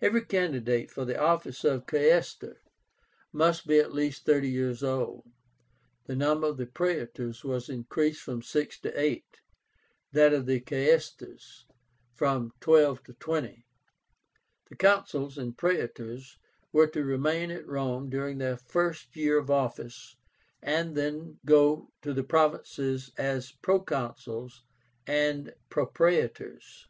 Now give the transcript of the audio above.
Every candidate for the office of Quaestor must be at least thirty years old. The number of Praetors was increased from six to eight; that of Quaestors, from twelve to twenty. The Consuls and Praetors were to remain at Rome during their first year of office, and then go to the provinces as Proconsuls and Propraetors.